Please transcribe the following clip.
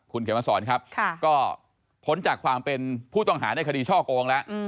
คุณเขมสอนครับก็พ้นจากความเป็นผู้ต้องหาในคดีช่อโกงแล้ว